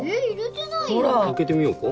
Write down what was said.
開けてみようか。